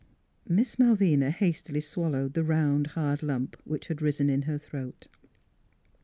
" Miss Malvina hastily swallowed the round, hard lump which had risen in her throat.